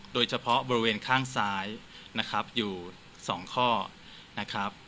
โดยเฉพาะบริเวณข้างซ้ายนะครับอยู่๒ข้อนะครับ